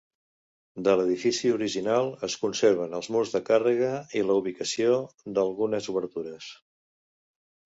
De l'edifici original es conserven els murs de càrrega i la ubicació d'algunes obertures.